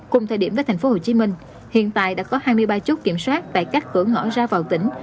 cùng thời điểm với thành phố hồ chí minh hiện tại đã có hai mươi ba chốt kiểm soát tại các cửa ngõ ra vào tỉnh